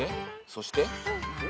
そして？